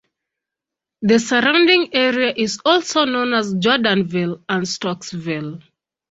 The surrounding area is also known as Jordanville and Stocksville.